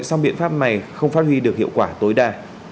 song biện pháp này không phát huy được hiệu quả tối đa